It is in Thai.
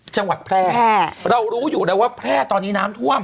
จังหวัดแพร่เรารู้อยู่แล้วว่าแพร่ตอนนี้น้ำท่วม